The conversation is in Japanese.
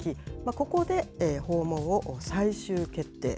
ここで訪問を最終決定。